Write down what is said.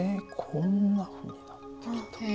こんなふうになってきた。